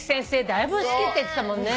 だいぶ好きって言ってたもんね。